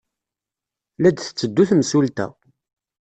La d-tetteddu temsulta.